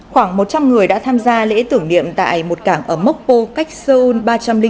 khoảng một trăm linh người đã tham gia lễ tưởng điệm tại một cảng ở mokpo cách seoul